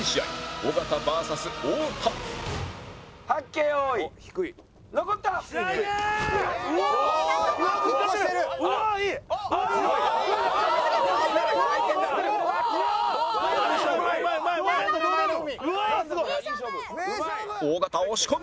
尾形押し込む！